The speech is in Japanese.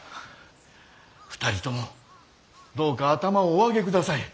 ２人ともどうか頭をお上げください。